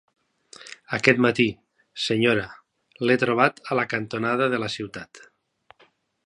Aquest matí, senyora; l'he trobat a la cantonada de la ciutat.